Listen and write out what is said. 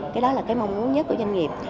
cái đó là cái mong muốn nhất của doanh nghiệp